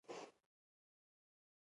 بلال ناروغه دی, ښونځي ته نه ځي